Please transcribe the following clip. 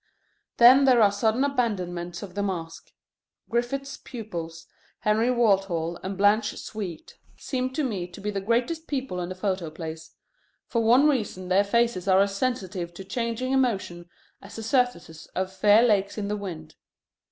Then there are sudden abandonments of the mask. Griffith's pupils, Henry Walthall and Blanche Sweet, seem to me to be the greatest people in the photoplays: for one reason their faces are as sensitive to changing emotion as the surfaces of fair lakes in the wind.